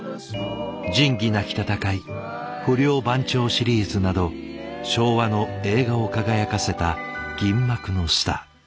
「仁義なき戦い」「不良番長」シリーズなど昭和の映画を輝かせた銀幕のスター。